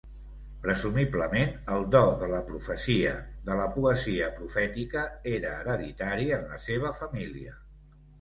Presumiblement el do de la profecia, de la poesia profètica, era hereditari en la seva família.